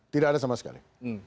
tidak ada sama sekali